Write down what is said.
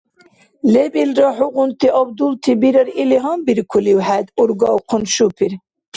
— Лебилра хӀугъунти абдулти бирар или гьанбиркулив хӀед? – ургавхъун шупир.